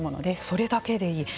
それだけでいいと。